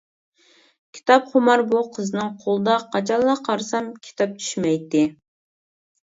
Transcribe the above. كىتابخۇمار بۇ قىزنىڭ قولىدا قاچانلا قارىسام كىتاب چۈشمەيتتى.